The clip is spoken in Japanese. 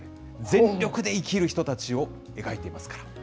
全力で生きる人たちを描いていますから。